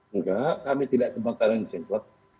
enggak kami tidak kebakaran jengkot